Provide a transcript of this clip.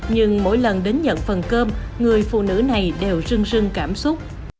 nhưng mỗi lần đến nhận phần cơm người phụ nữ này đều rưng rưng cảm xúc